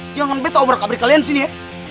jangan beto omrak abri kalian disini ya